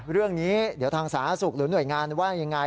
เรื่องนี้เดี๋ยวทางสาธารณสุขหรือหน่วยงานว่ายังไง